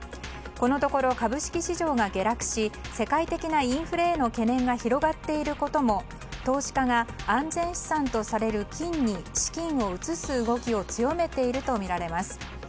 このところ株式市場が下落し世界的なインフレへの懸念が広がっていることも投資家が、安全資産とされる金に資金を移す動きを強めているとみられます。